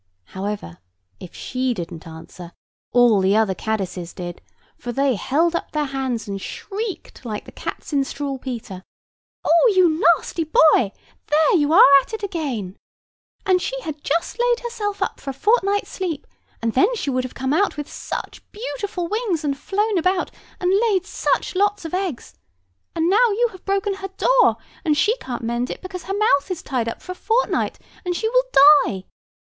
However, if she didn't answer, all the other caddises did; for they held up their hands and shrieked like the cats in Struwelpeter: "Oh, you nasty horrid boy; there you are at it again! And she had just laid herself up for a fortnight's sleep, and then she would have come out with such beautiful wings, and flown about, and laid such lots of eggs: and now you have broken her door, and she can't mend it because her mouth is tied up for a fortnight, and she will die.